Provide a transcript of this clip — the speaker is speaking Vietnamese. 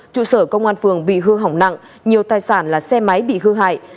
trụ sở công an phường bị hư hỏng nặng nhiều tài sản là xe máy bị hư hại